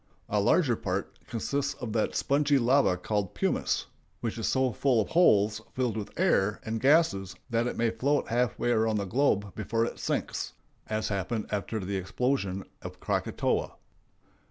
A larger part consists of that spongy lava called pumice, which is so full of holes filled with air and gases that it may float half way around the globe before it sinks, as happened after the explosion of Krakatoa.